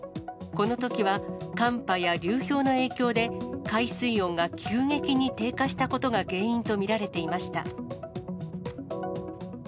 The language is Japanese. このときは寒波や流氷の影響で、海水温が急激に低下したことが原因と見られていました。